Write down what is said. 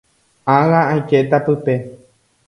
Ág̃a aikéta pype.